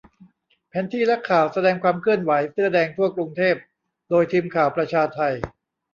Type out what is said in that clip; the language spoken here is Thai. แผนที่และข่าว แสดงความเคลื่อนไหวเสื้อแดงทั่วกรุงเทพ โดยทีมข่าวประชาไท